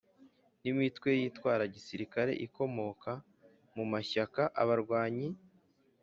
N imitwe yitwara gisirikare ikomoka mu mashyaka abarwanyi